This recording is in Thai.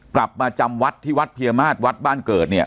กลับมาจำวัดที่วัดเพียมาศวัดบ้านเกิดเนี่ย